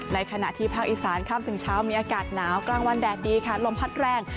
ในขณะที่ภาคอีสานค่ำถึงเช้ามีอากาศหนาวกลางวันแดดดีค่ะลมพัดแรง